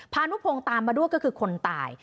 พานุพงศ์ตามมาด้วยก็คือคนตาย